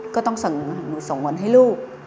ก็ต้องส่งงานให้ลูก